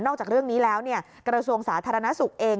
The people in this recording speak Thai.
จากเรื่องนี้แล้วกระทรวงสาธารณสุขเอง